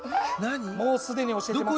もうすでに教えてます。